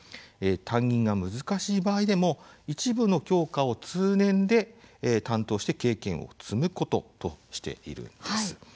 担任が難しい場合でも一部の教科を通年で担当して経験を積むこととしているんです。